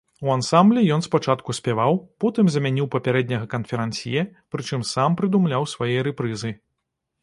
У ансамблі ён спачатку спяваў, потым замяніў папярэдняга канферансье, прычым сам прыдумляў свае рэпрызы.